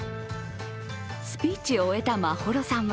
スピーチを終えた眞秀さんは